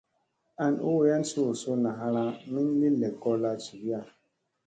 An u wayan suu sunna halaŋ min li lekolla jiviya.